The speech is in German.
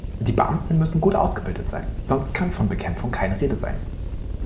Die Beamten müssen gut ausgebildet sein, sonst kann von Bekämpfung keine Rede sein.